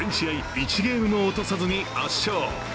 １ゲームも落とさずに圧勝。